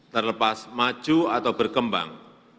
terlepas maju atau berkembang